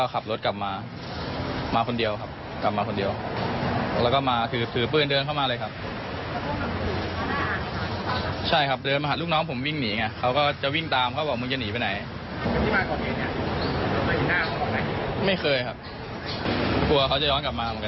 ก็จะย้อนกลับมาเหมือนกัน